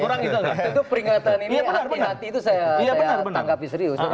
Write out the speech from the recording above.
tentu peringatan ini hati hati itu saya tanggapi serius